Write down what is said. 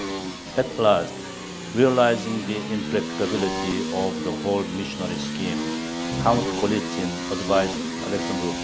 At last, realizing the impracticability of the whole missionary scheme, Count Golitzin advised Alexander I.